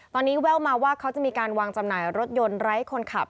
ตอนนี้แว่วมาว่าเขาจะมีการวางจำหน่ายรถยนต์ไร้คนขับ